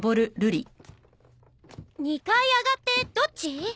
２階上がってどっち？